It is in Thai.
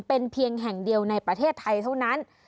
เป็นเพียงแห่งเดียวในประเทศไทยเท่านั้น